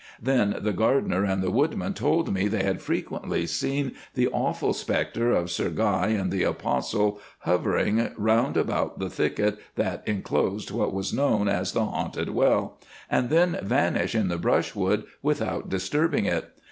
Then the gardener and the woodman told me they had frequently seen the awful spectre of Sir Guy and the 'Apostle' hovering round about the thicket that enclosed what was known as the haunted well, and then vanish in the brushwood without disturbing it.